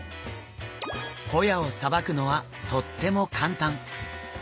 ホヤをさばくのはとっても簡単。